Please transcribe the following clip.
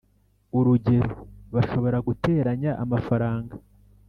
urugero:bashobora guteranya amafaranga